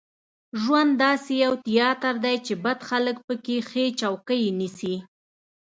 ژوند داسې یو تیاتر دی چې بد خلک په کې ښې چوکۍ نیسي.